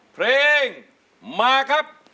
เพลงมาครับ